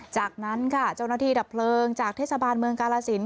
จากนั้นค่ะเจ้าหน้าที่ดับเพลิงจากเทศบาลเมืองกาลสิน